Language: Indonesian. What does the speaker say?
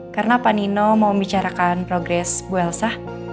karena panino mau bicarakan progres bu elsa